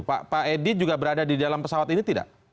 pak edi juga berada di dalam pesawat ini tidak